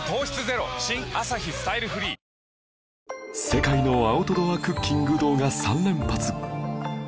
世界のアウトドアクッキング動画３連発